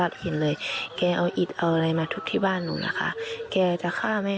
โอ้โฮเป็นเหตุที่น่ากลัวนะ